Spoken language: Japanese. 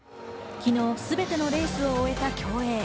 昨日、全てのレースを終えた競泳。